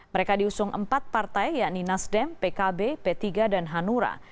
mereka diusung empat partai yakni nasdem pkb p tiga dan hanura